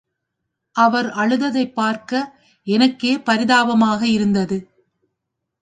அவர் அழுததைப் பார்க்க எனக்கே பரிதாபமாக இருந்தது.